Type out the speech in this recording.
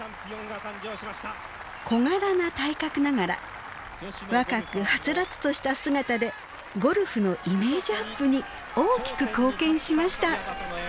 小柄な体格ながら若くはつらつとした姿でゴルフのイメージアップに大きく貢献しました。